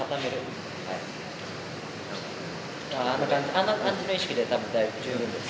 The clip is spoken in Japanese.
あんな感じの意識で多分十分です。